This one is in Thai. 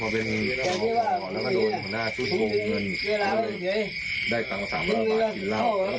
เมื่อก็ไปปีนบ้านไหน